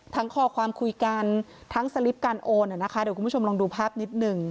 ข้อความคุยกันทั้งสลิปการโอนเดี๋ยวคุณผู้ชมลองดูภาพนิดหนึ่ง